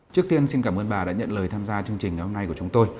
trước tiên xin cảm ơn bà đã nhận lời tham gia chương trình ngày hôm nay của chúng tôi